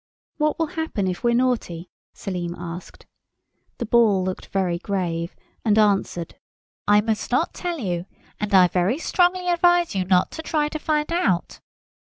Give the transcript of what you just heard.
"What will happen if we're naughty?" Selim asked. The Ball looked very grave, and answered— "I must not tell you; and I very strongly advise you not to try to find out."